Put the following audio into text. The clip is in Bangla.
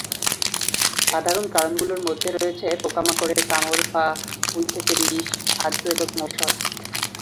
সাধারণ কারণগুলোর মধ্যে রয়েছে পোকামাকড়ের কামড় বা হুল থেকে বিষ, খাদ্য, এবং ঔষধ।